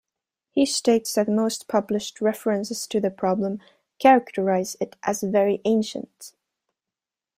He states that most published references to the problem characterize it as "very ancient".